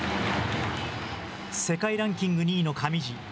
世界ランキング２位の上地。